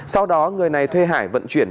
sau đó người này thuê hải vận chuyển